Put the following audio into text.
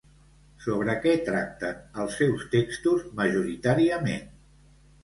Sobre què tracten els seus textos majoritàriament?